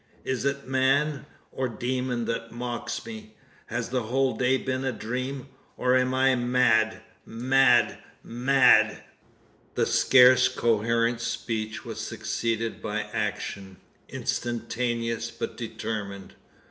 Is it man, or demon, that mocks me? Has the whole day been a dream? Or am I mad mad mad?" The scarce coherent speech was succeeded by action, instantaneous but determined.